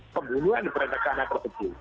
pembunuhan berantakan tersebut